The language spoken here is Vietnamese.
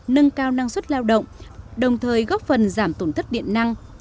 nâng cao năng suất lao động đồng thời góp phần giảm tổn thất điện năng